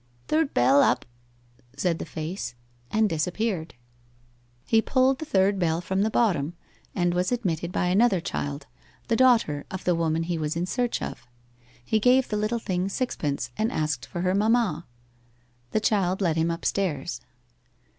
'Third bell up,' said the face, and disappeared. He pulled the third bell from the bottom, and was admitted by another child, the daughter of the woman he was in search of. He gave the little thing sixpence, and asked for her mamma. The child led him upstairs.